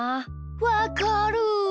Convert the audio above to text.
わかる。